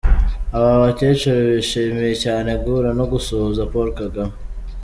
Aba bakecuru bishimiye cyane guhura no gusuhuza Paul Kagame.